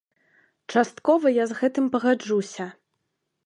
Часткова я з гэтым пагаджуся.